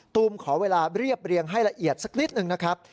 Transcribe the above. ตูมขอเวลาเรียบเรียงให้ละเอียดสักนิดนึงนะครับ